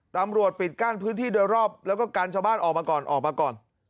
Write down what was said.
ปิดกั้นพื้นที่โดยรอบแล้วก็กันชาวบ้านออกมาก่อนออกมาก่อน